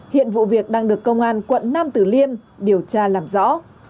hiện vụ việc đang được công an quận nam tử liêm điều tra làm rõ